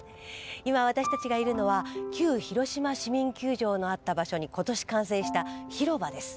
今私たちがいるのは旧広島市民球場のあった場所に今年完成した広場です。